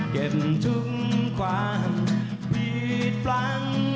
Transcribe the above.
เก็บทุกขวามผิดฟลั้ง